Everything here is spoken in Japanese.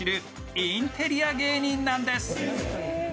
インテリア芸人なんです。